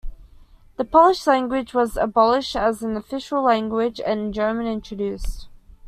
The Polish language was abolished as an official language and German introduced.